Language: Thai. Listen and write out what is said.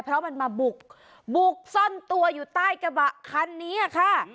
เพราะมันมาบุกบุกซ่อนตัวอยู่ใต้กระบะคันนี้ค่ะ